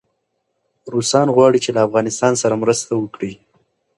روسان غواړي چي له افغانستان سره مرسته وکړي.